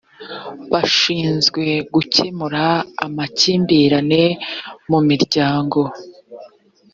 bashinzwe gukemura makimbirane mumiryango